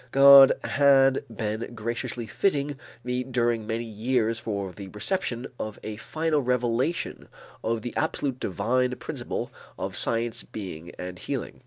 God had been graciously fitting me during many years for the reception of a final revelation of the absolute divine principle of scientific being and healing."